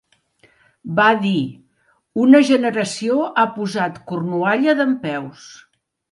Va dir: "Una generació ha posat Cornualla dempeus.